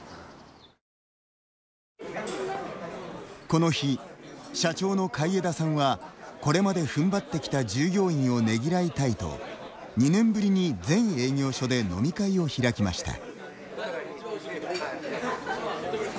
この日、社長の海江田さんはこれまでふんばってきた従業員をねぎらいたいと、２年ぶりに全営業所で飲み会を開きました。